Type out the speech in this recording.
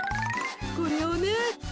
これをね